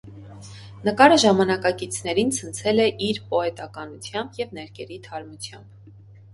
Նկարը ժամանակակիցներին ցնցել է իր պոետականությամբ և ներկերի թարմությամբ։